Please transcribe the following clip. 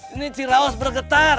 ini ciraus bergetar